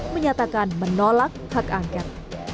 menyatakan menolak hak angket